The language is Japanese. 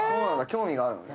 興味があるのね。